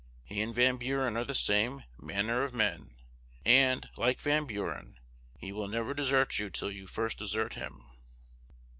He and Van Buren are the same "manner of men;" and, like Van Buren, he will never desert you till you first desert him.